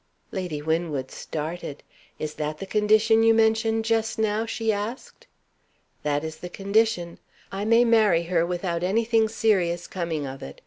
Lady Winwood started. "Is that the condition you mentioned just now?" she asked. "That is the condition. I may marry her without anything serious coming of it.